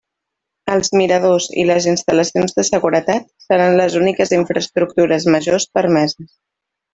Els miradors i les instal·lacions de seguretat seran les úniques infraestructures majors permeses.